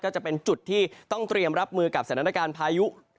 ก็จะเป็นจุดที่ต้องเตรียมรับมือกับสถานการณ์พายุ